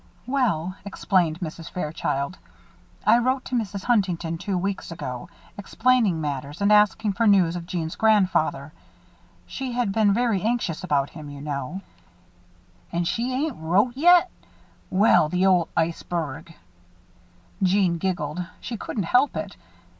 "Well," explained Mrs. Fairchild, "I wrote to Mrs. Huntington two weeks ago, explaining matters and asking for news of Jeanne's grandfather she has been very anxious about him, you know " "An' she ain't wrote yit? Well, the old iceberg!" Jeanne giggled. She couldn't help it.